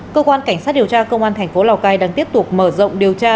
cơ quan cảnh sát điều tra công an thành phố lào cai đang tiếp tục mở rộng điều tra